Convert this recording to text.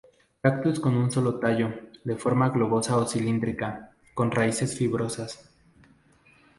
Cactus con un solo tallo, de forma globosa o cilíndrica, con raíces fibrosas.